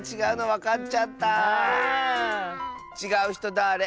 「ちがうひとはだれ？」